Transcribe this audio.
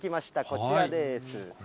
こちらです。